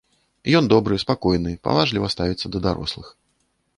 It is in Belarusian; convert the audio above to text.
Ён добры, спакойны, паважліва ставіцца да дарослых.